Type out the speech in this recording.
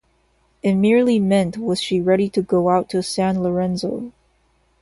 It merely meant was she ready to go out to San Lorenzo.